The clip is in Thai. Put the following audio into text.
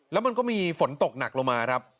แล้วมันก็มีฝนตกหนักลงมาครับ